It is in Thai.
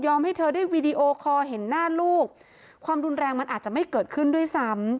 ให้เธอได้วีดีโอคอร์เห็นหน้าลูกความรุนแรงมันอาจจะไม่เกิดขึ้นด้วยซ้ำ